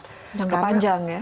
jangka panjang ya